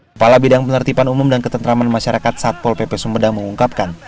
kepala bidang penertiban umum dan ketentraman masyarakat satpol pp sumedang mengungkapkan